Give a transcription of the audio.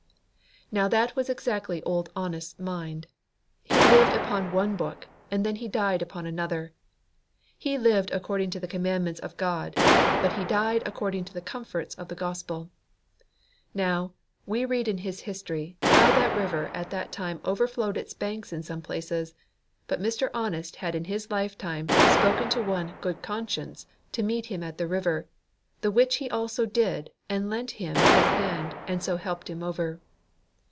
Now, that was exactly Old Honest's mind. He lived upon one book, and then he died upon another. He lived according to the commandments of God, but he died according to the comforts of the Gospel. Now, we read in his history how that the river at that time overflowed its banks in some places. But Mr. Honest had in his lifetime spoken to one Good conscience to meet him at the river, the which he also did, and lent him his hand, and so helped him over.